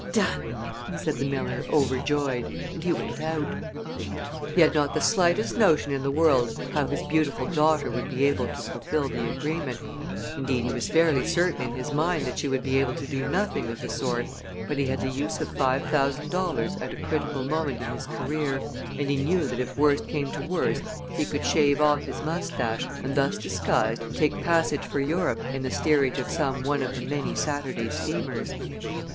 "Done!" said the miller, overjoyed, and he went out. He had not the slightest notion in the world how his beautiful daughter would be able to fulfil the agreement indeed, he was fairly certain in his mind that she would be able to do nothing of the sort, but he had the use of five thousand dollars at a critical moment in his career and he knew that if worst came to worst he could shave off his mustache, and, thus disguised, take passage for Europe in the steerage of some one of the many Saturday steamers.